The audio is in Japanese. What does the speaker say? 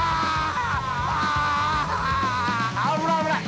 ◆危ない危ない。